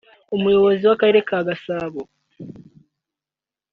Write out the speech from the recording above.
Umuyobozi w’Akarere ka Gasabo